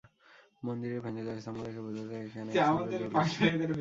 মন্দিরের ভেঙে যাওয়া স্তম্ভ দেখে বোঝা যায় এখানে একসময় বেশ জৌলুশ ছিল।